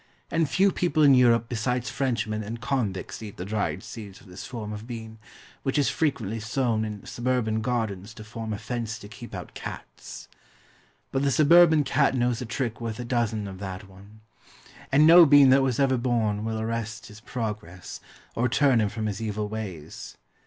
And few people in Europe besides Frenchmen and convicts eat the dried seeds of this form of bean, which is frequently sown in suburban gardens to form a fence to keep out cats. But the suburban cat knows a trick worth a dozen of that one; and no bean that was ever born will arrest his progress, or turn him from his evil ways.